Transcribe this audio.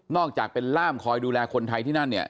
อกจากเป็นล่ามคอยดูแลคนไทยที่นั่นเนี่ย